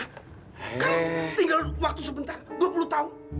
kan tinggal waktu sebentar dua puluh tahun